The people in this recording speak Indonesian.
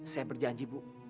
saya berjanji bu